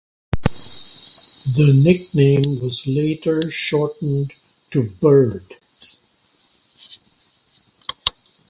The nickname was later shortened to "Bird".